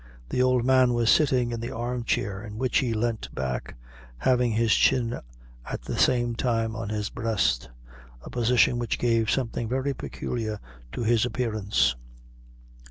The old man was sitting in the arm chair, in which he leant back, having his chin at the same time on his breast, a position which gave something very peculiar to his appearance.